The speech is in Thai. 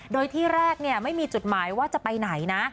โดยที่แรกไม่มีจุดหมายว่าจะไปไหนนะ